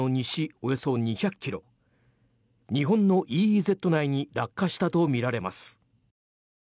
およそ２００ｋｍ日本のＥＥＺ内に落下したとみられます。